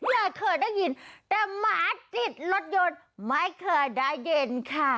เคยเคยได้ยินแต่หมาจิตรถยนต์ไม่เคยได้ยินค่ะ